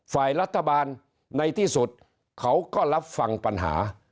ฝ่ายรัฐบาลในที่สุดเขาก็รับฟังปัญหา